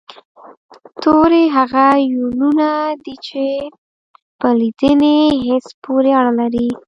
توري هغه يوونونه دي چې په لیدني حس پورې اړه لري